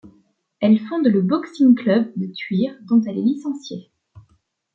Elle fonde le Boxing Club de Thuir dont elle est licenciée.